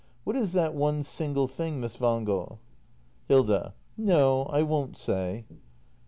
What is that one single thing, Miss Wangel ? Hilda. No, I won't say.